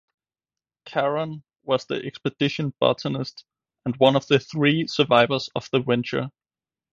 Carron was the expedition botanist and one of the three survivors of the venture.